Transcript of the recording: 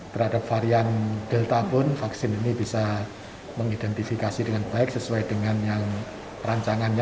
terhadap varian delta pun vaksin ini bisa mengidentifikasi dengan baik sesuai dengan yang rancangannya